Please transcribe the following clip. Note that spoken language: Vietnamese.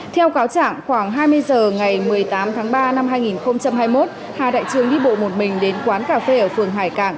theo cáo trạng khoảng hai mươi h ngày một mươi tám tháng ba năm hai nghìn hai mươi một hà đại trường đi bộ một mình đến quán cà phê ở phường hải cảng